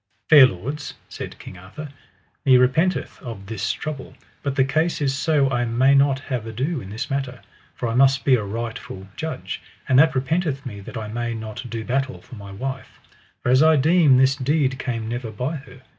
Fair lords, said King Arthur, me repenteth of this trouble, but the case is so I may not have ado in this matter, for I must be a rightful judge; and that repenteth me that I may not do battle for my wife, for as I deem this deed came never by her.